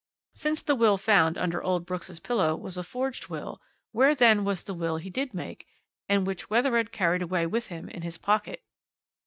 Since the will found under old Brooks' pillow was a forged will, where then was the will he did make, and which Wethered carried away with him in his pocket?"